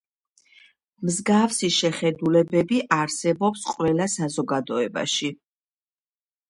მსგავსი შეხედულებები არსებობს ყველა საზოგადოებაში.